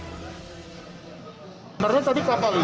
kmp yunis tujuan ke tapang giling manuk menyebutkan